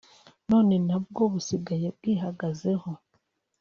none nabwo busigaye bwihagazeho